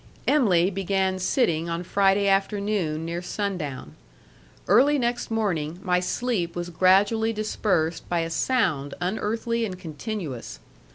Em'ly began sitting on Friday afternoon near sundown. Early next morning my sleep was gradually dispersed by a sound unearthly and continuous.